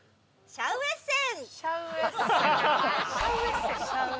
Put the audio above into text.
シャウエッセン？